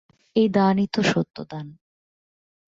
এই দানই তো সত্য দান।